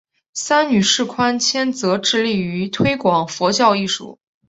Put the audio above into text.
三女释宽谦则致力于推广佛教艺术。